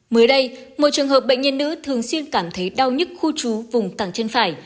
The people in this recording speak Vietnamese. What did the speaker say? mới đây một trường hợp bệnh nhân nữ thường xuyên cảm thấy đau nhất khu trú vùng cẳng chân phải